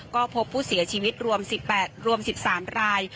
ก็พบผู้เสียชีวิตรวม๑๘รวม๑๓ราย